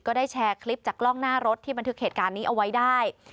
ก็ได้แชร์คลิปจากกล้องหน้ารถที่บันทึกเหตุการณ์นี้เอาไว้ได้